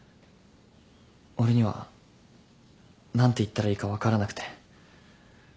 俺には何て言ったらいいか分からなくて。